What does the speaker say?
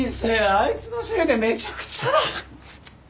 あいつのせいでめちゃくちゃだ！